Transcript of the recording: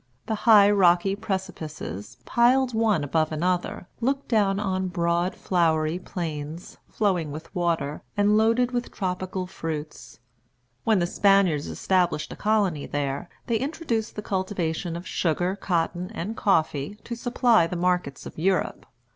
The high, rocky precipices, piled one above another, look down on broad flowery plains, flowing with water, and loaded with tropical fruits. When the Spaniards established a colony there, they introduced the cultivation of sugar, cotton, and coffee, to supply the markets of Europe.